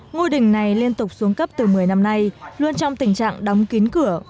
ngôi đình này liên tục xuống cấp từ một mươi năm nay luôn trong tình trạng đóng kín cửa